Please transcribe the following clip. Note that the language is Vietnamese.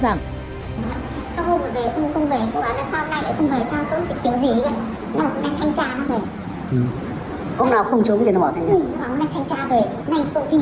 xong hôm về không về không về không về xong hôm nay lại không về cho số gì kiểu gì nó bảo nó đang thanh tra nó về